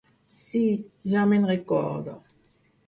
Sí, ja me'n recordo.